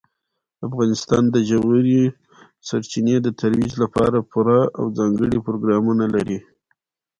افغانستان د ژورې سرچینې د ترویج لپاره پوره او ځانګړي پروګرامونه لري.